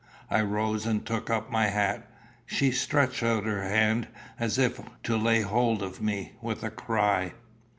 I rose and took up my hat. She stretched out her hand, as if to lay hold of me, with a cry.